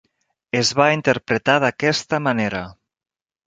Es va interpretar d'aquesta manera.